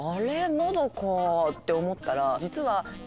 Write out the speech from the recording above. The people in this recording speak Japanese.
まだかって思ったら。